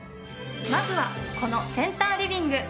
まずはこのセンターリビング。